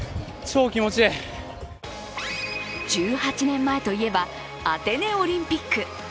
１８年前といえば、アテネオリンピック。